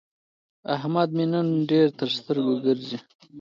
احمد مې نن ډېر تر سترګو ګرځي.